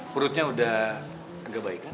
perutnya udah agak baik kan